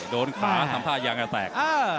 โดนขาสัมภาษณ์ยังจะแตก